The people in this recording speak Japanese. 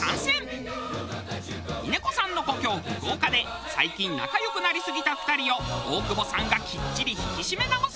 峰子さんの故郷福岡で最近仲良くなりすぎた２人を大久保さんがきっちり引き締め直す！